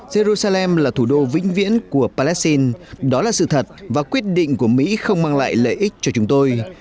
jerusalem là thủ đô vĩnh viễn của palestine đó là sự thật và quyết định của mỹ không mang lại lợi ích cho chúng tôi